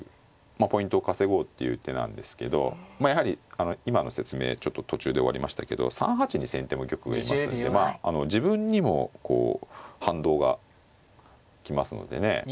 ポイントを稼ごうっていう手なんですけどやはり今の説明途中で終わりましたけど３八に先手も玉がいますんでまあ自分にもこう反動が来ますのでね。